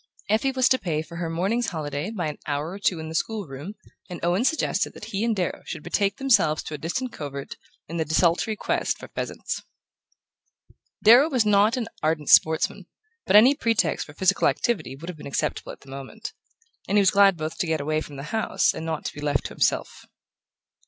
Effie was to pay for her morning's holiday by an hour or two in the school room, and Owen suggested that he and Darrow should betake themselves to a distant covert in the desultory quest for pheasants. Darrow was not an ardent sportsman, but any pretext for physical activity would have been acceptable at the moment; and he was glad both to get away from the house and not to be left to himself.